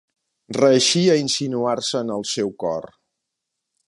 Reeixí a insinuar-se en el seu cor.